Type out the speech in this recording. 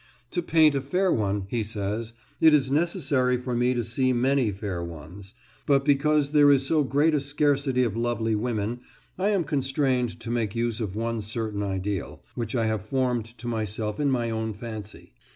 "To paint a fair one," he says, "it is necessary for me to see many fair ones; but because there is so great a scarcity of lovely women, I am constrained to make use of one certain ideal, which I have formed to myself in my own fancy."